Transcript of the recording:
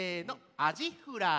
「アジフライの」。